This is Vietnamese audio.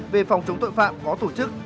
về phòng chống tội phạm có tổ chức